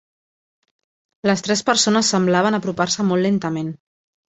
Les tres persones semblaven apropar-se molt lentament.